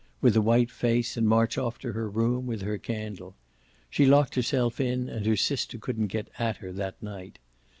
with a white face and march off to her room with her candle. She locked herself in and her sister couldn't get at her that night.